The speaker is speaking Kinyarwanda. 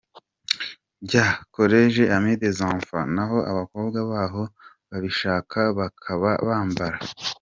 rya Collège Ami des Enfants naho abakobwa baho babishaka bakaba bambara.